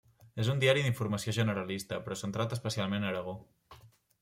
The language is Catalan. És un diari d'informació generalista, però centrat especialment a Aragó.